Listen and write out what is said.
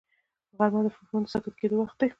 غرمه د فکرونو د ساکت کېدو وخت دی